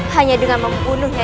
hanya dengan membunuhnya